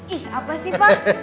ih apa sih pa